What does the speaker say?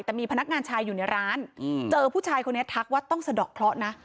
แต่มีพนักงานชายอยู่ในร้านเจอผู้ชายคนนี้ทักว่าต้องสะดอกเคราะห์นะ